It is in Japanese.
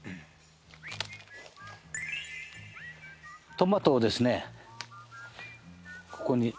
トマトをですねここに。